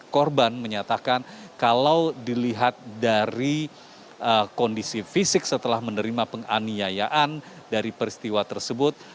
korban menyatakan kalau dilihat dari kondisi fisik setelah menerima penganiayaan dari peristiwa tersebut